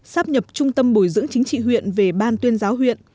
sắp nhập trung tâm bồi dưỡng chính trị huyện về ban tuyên giáo huyện